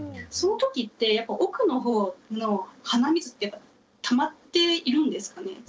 そのときって奥の方の鼻水ってたまっているんですかね？